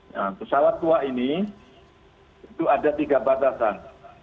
nah pesawat tua ini itu ada tiga batasan